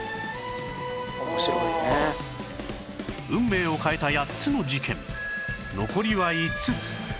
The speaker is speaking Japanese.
運命を変えた８つの事件残りは５つ